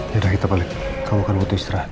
yaudah kita balik kamu kan butuh istirahat